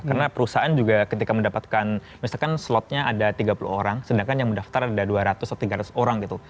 karena perusahaan juga ketika mendapatkan misalkan slotnya ada tiga puluh orang sedangkan yang mendaftar ada dua ratus atau tiga ratus orang gitu